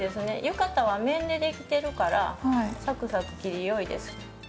浴衣は綿でできてるからサクサク切り良いです。